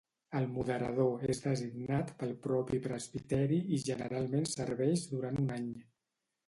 El moderador és designat pel propi presbiteri i generalment serveix durant un any.